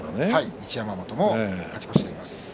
一山本も勝ち越しています。